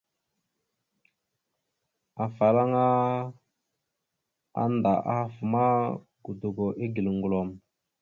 Afalaŋa anda ahaf ma, godogo igal gəlom.